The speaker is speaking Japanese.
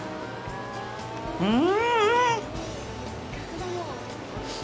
うん！